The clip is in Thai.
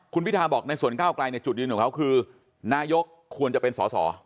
คุณพิทาบอกในส่วนก้าวไกลในจุดยืนของเขาคือนายกควรจะเป็นสอสอ